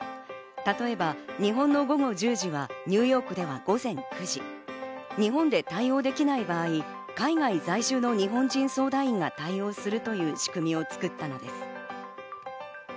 例えば日本の午後１０時は、ニューヨークでは午前９時、日本で対応できない場合、海外在住の日本人相談員が対応するという仕組みを作ったのです。